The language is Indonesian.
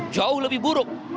jauh lebih buruk